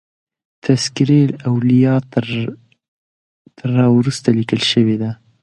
تذکرة الاولیاء تر را وروسته لیکل شوی دی.